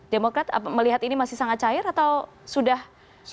demokrat melihat ini masih sangat cair atau sudah semakin solid ya